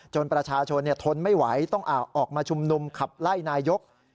ประชาชนทนไม่ไหวต้องออกมาชุมนุมขับไล่นายก